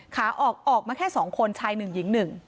ขาออกออกมาแค่๒คนชาย๑หญิง๑